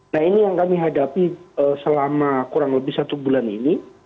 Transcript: nah ini yang kami hadapi selama kurang lebih satu bulan ini